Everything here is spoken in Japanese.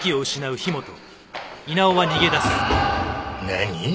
何？